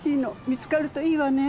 見つかるといいわね。